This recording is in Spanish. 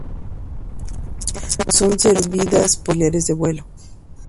Son servidas por los auxiliares de vuelo.